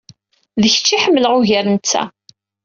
D kečč i ḥemmleɣ ugar netta.